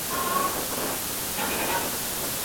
آيا د دنمارک شمېرې په جلا ډله کي وې؟